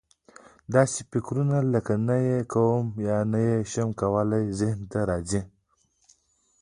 داسې فکرونه لکه: نه یې کوم یا نه یې شم کولای ذهن ته راځي.